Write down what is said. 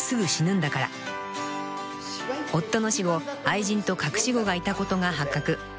［夫の死後愛人と隠し子がいたことが発覚］